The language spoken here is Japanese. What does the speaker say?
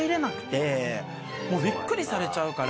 びっくりされちゃうから。